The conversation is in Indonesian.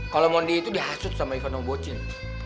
kalo mondi itu dihasut sama ivano bocil